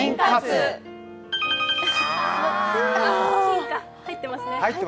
うん、入ってますね。